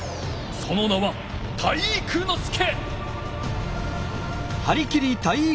その名は体育ノ介！